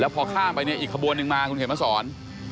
แล้วพอข้ามไปอีกขบวนหนึ่งมาคุณเห็นไหมสอน